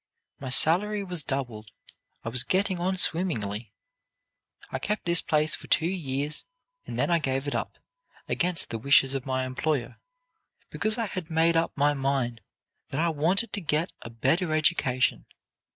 My salary was doubled; I was getting on swimmingly. "I kept this place for two years, and then I gave it up, against the wishes of my employer, because I had made up my mind that I wanted to get a better education.